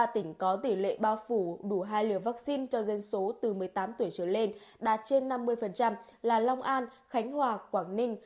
hai mươi ba tỉnh có tỷ lệ bao phủ đủ hai liều vắc xin cho dân số từ một mươi tám tuổi trở lên đạt trên năm mươi là long an khánh hòa quảng ninh